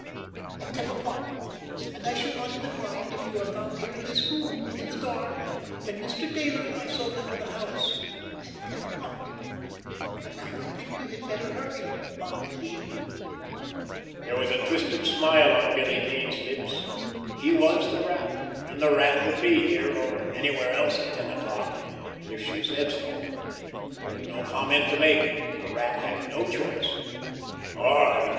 At ten o'clock! And I should not even mind if you are found here in this room—in the dark—when Mr. Dayler and myself enter the house—at ten o'clock. And now I think you had better hurry, Bundy." There was a twisted smile on Billy Kane's lips. He was the Rat, and the Rat would be here, or anywhere else at ten o'clock—if she said so. There was no comment to make. The Rat had no choice. "All right!"